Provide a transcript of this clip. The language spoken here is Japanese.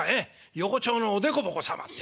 横町のおでこぼこ様ってんでね。